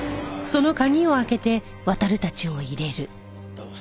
どうも。